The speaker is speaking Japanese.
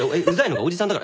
おじさん。